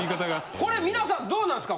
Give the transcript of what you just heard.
これみなさんどうなんすか？